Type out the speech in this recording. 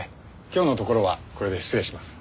今日のところはこれで失礼します。